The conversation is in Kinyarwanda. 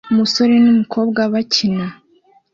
Umusore n'umukobwa bakina